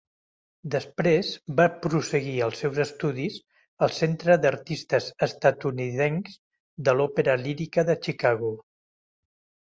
Després va prosseguir els seus estudis al Centre d'Artistes Estatunidencs de l'Òpera Lírica de Chicago.